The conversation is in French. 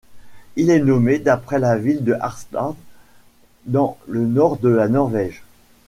Il est nommé d'après la ville de Harstad, dans le nord de la Norvège.